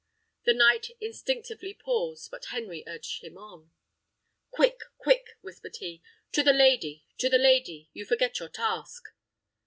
The knight instinctively paused, but Henry urged him on. "Quick! quick!" whispered he; "to the lady, to the lady; you forget your task."